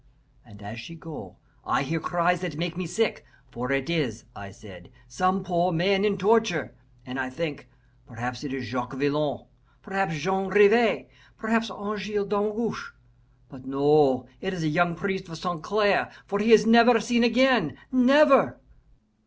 And as she go, I hear cries that make me sick, for it is, I said, some poor man in torture, and I think, perhaps it is Jacques Villon, perhaps Jean Rivas, perhaps Angele Damgoche. But no, it is a young priest of St. Clair, for he is never seen again never!"